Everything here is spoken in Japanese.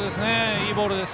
いいボールです。